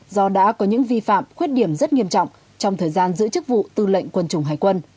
do đã có những vi phạm khuyết điểm rất nghiêm trọng trong thời gian giữ chức vụ tư lệnh quân chủng hải quân